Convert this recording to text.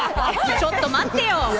ちょっと待ってよ！